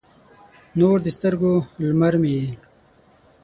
نور د سترګو، لمر مې یې